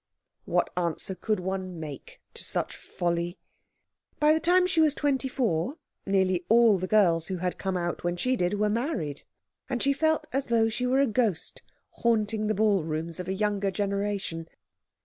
What answer could anyone make to such folly? By the time she was twenty four, nearly all the girls who had come out when she did were married, and she felt as though she were a ghost haunting the ball rooms of a younger generation.